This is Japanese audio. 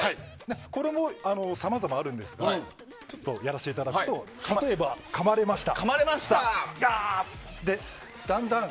これもさまざまあるんですけどちょっとやらせていただくと例えば、かまれました。